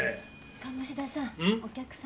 鴨志田さんお客様。